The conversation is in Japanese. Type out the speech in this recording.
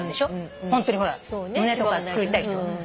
ホントに胸とかつくりたい人は。